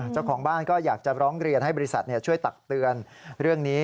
เจ้าของบ้านก็อยากจะร้องเรียนให้บริษัทช่วยตักเตือนเรื่องนี้